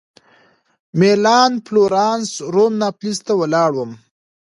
مېلان فلورانس روم ناپلز ته ولاړم.